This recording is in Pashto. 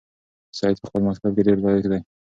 سعید په خپل مکتب کې ډېر لایق دی.